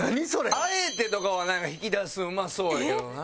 「あえて」とかは引き出すんうまそうやけどな。